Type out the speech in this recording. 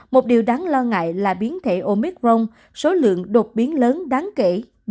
một điều đáng lo ngại là biến thể omicron số lượng đột biến lớn đáng kể ba mươi hai